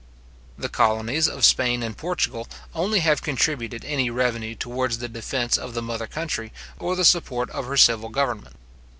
The colonies of Spain and Portugal only have contributed any revenue towards the defence of the mother country, or the support of her civil government.